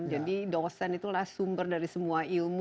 jadi dosen itulah sumber dari semua ilmu